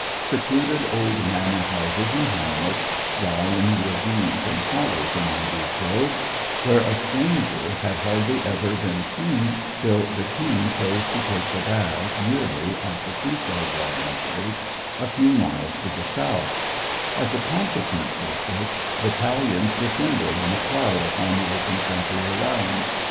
Secluded old manor houses and hamlets lie in the ravines and hollows among these hills, where a stranger had hardly ever been seen till the King chose to take the baths yearly at the sea side watering place a few miles to the south; as a consequence of which battalions descended in a cloud upon the open country around.